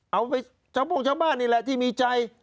เอาไปชาวโม่งชาวบ้านนี่แหละที่มีใจ